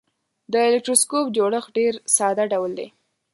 د الکتروسکوپ جوړښت ډیر ساده ډول دی.